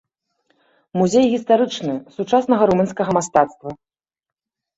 Музей гістарычны, сучаснага румынскага мастацтва.